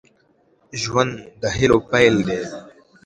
ژوند د هيلو پيل دی